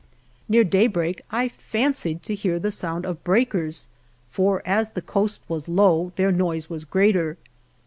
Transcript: Near daybreak I fancied to hear the sound of breakers, for as the coast was low, their noise was greater.